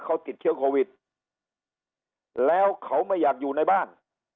เขาติดเชื้อโควิดแล้วเขาไม่อยากอยู่ในบ้าน